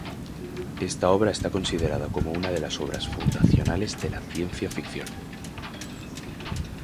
Esta obra está considerada como una de las obras fundacionales de la ciencia ficción.